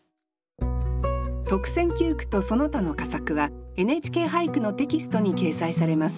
特選九句とその他の佳作は「ＮＨＫ俳句」のテキストに掲載されます。